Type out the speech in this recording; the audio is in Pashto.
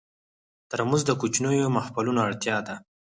ترموز د کوچنیو محفلونو اړتیا ده.